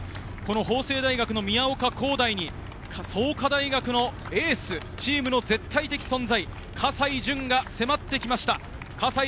法政大学の宮岡幸大に創価大学のエース、チームの絶対的存在、葛西潤が迫ってきました。